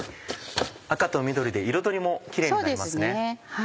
赤と緑で彩りもキレイになりますね。